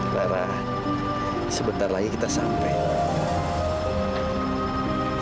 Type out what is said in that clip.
karena sebentar lagi kita sampai